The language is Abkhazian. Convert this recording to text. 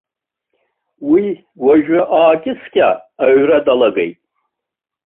Уи уажәы аакьыскьа аҩра далагеит.